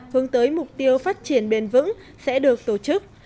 hướng tới mục tiêu phát triển bền vững sẽ được tổ chức